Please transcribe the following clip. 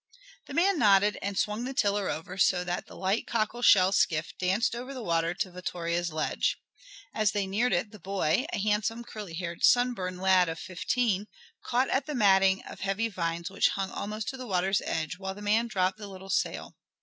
The man nodded and swung the tiller over so that the light cockle shell skiff danced over the water to Vittoria's ledge. As they neared it the boy, a handsome, curly haired, sunburned lad of fifteen, caught at the matting of heavy vines which hung almost to the water's edge while the man dropped the little sail.